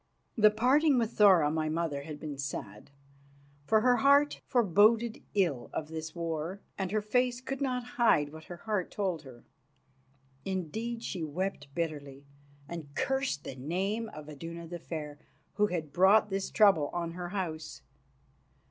The parting with Thora, my mother, had been sad, for her heart foreboded ill of this war, and her face could not hide what her heart told her. Indeed, she wept bitterly, and cursed the name of Iduna the Fair, who had brought this trouble on her House.